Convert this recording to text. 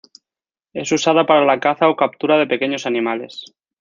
Es usada para la caza o captura de pequeños animales.